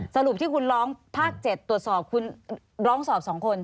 สรุปที่คุณร้องภาค๗ตรวจสอบคุณร้องสอบ๒คน